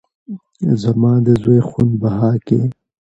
زما د زوى خون بها کې